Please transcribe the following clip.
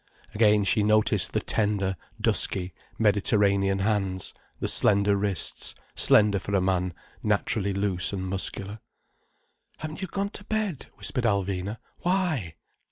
Again she noticed the tender, dusky Mediterranean hands, the slender wrists, slender for a man naturally loose and muscular. "Haven't you gone to bed?" whispered Alvina. "Why?"